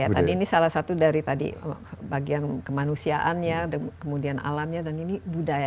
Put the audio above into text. tadi ini salah satu dari tadi bagian kemanusiaannya kemudian alamnya dan ini budaya